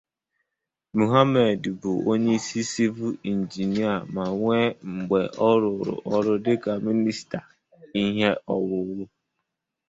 Mohammed bụ onye sịvịl injinịa ma nwe mgbe o ruru oru dika minista ihe owuwu.